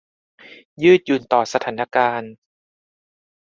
ยืดหยุ่นต่อสถานการณ์